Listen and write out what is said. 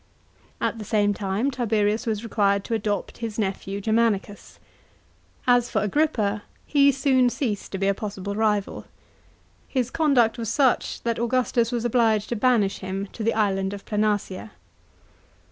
At the same tune Tiberius was required to adopt his nephew Germanicus. As for Agrippa, he soon ceased to be a possible rival. His conduct was such that Augustus was obliged to banish him to the island of Planasia.